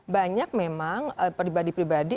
banyak memang pribadi pribadi